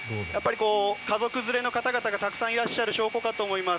家族連れの方々がたくさんいらっしゃる証拠かと思います。